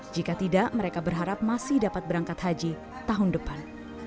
jika tidak mereka berharap masih dapat berangkat haji tahun depan